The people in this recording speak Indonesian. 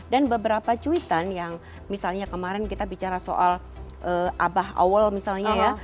dan beberapa cuitan yang misalnya kemarin kita bicara soal abah awal misalnya ya